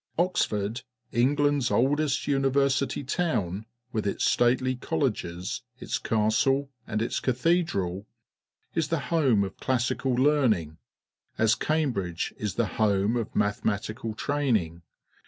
Oxford, England's oldest university town, with its statelj^ colleges, its castle, and its cathedral, is the home of classical learning, as Cambridge is the home of mathematical training.